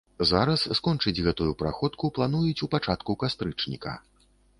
Зараз скончыць гэтую праходку плануюць у пачатку кастрычніка.